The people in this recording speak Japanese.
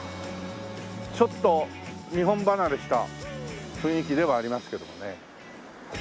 ちょっと日本離れした雰囲気ではありますけどもね。